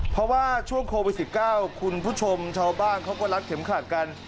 เพราะว่าช่วงโควิด๑๙คุณผู้ชมชาวบ้านเขาก็รัดเข็มขัดกัน